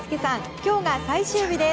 今日が最終日です。